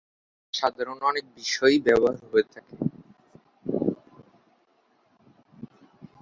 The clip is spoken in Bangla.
যা সাধারণ অনেকে বিষয়েই ব্যবহার হয়ে থাকে।